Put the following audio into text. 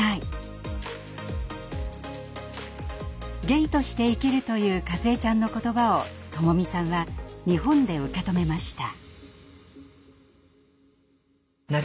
ゲイとして生きるというかずえちゃんの言葉を智美さんは日本で受け止めました。